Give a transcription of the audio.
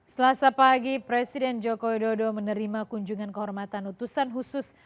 selasa pagi presiden joko widodo menerima kunjungan kehormatan utusan khusus